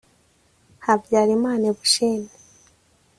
Habyarimana Eugene